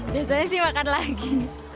biasanya sih makan lagi